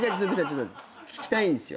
ちょっと聞きたいんですよ。